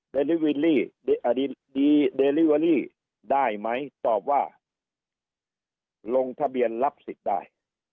ลิวิลลี่ดีเดลิเวอรี่ได้ไหมตอบว่าลงทะเบียนรับสิทธิ์ได้